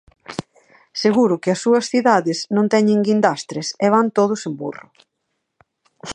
Seguro que as súas cidades non teñen guindastres e van todos en burro.